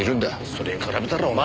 それに比べたらお前。